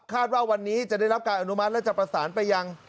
ว่าวันนี้จะได้รับการอนุมัติและจะประสานไปยัง